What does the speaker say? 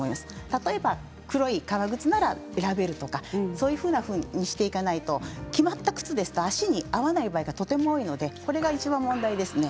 例えば黒い革靴なら選べるとかそういうふうにしていかないと決まった靴ですと足に合わない場合がとても多いのでそれがいちばん問題ですね。